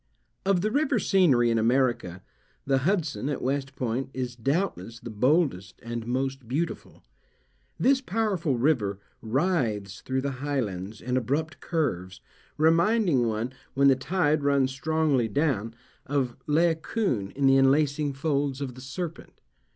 Of the river scenery of America, the Hudson, at West Point, is doubtless the boldest and most beautiful. This powerful river writhes through the highlands in abrupt curves, reminding one, when the tide runs strongly down, of Laocoon in the enlacing folds of the serpent.